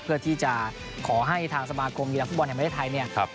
เพื่อที่จะขอให้ทางสมากรมยี่ละฟุตบอลแห่งเมืองไทยเนี่ยครับ